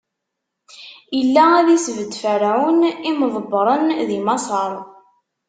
Ilaq ad isbedd Ferɛun imḍebbren di Maṣer;